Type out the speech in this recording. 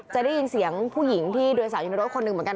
จะได้ยินเสียงผู้หญิงที่โดยสาวอยู่ในรถคนหนึ่งเหมือนกัน